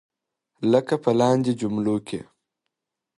لکه په لاندې جملو کې.